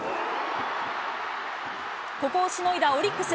ここをしのいだオリックス。